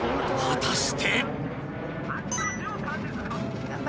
［果たして］